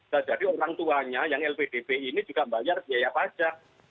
dan dari orang tuanya yang lpdp ini juga bayar biaya pajak